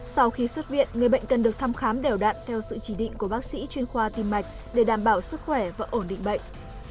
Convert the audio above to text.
sau khi xuất viện người bệnh cần được thăm khám đều đạn theo sự chỉ định của bác sĩ chuyên khoa tim mạch để đảm bảo sức khỏe và ổn định bệnh